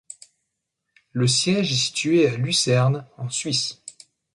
Le siège est situé à Lucerne en Suisse.